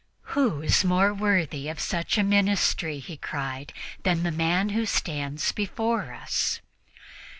"Who is more worthy of such a ministry," he cried, "than the man who stands before us?"